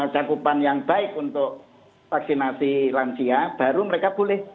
cakupan yang baik untuk vaksinasi lansia baru mereka boleh